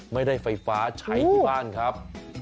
ไม่ได้ไฟฟ้าใช้ที่บ้านครับ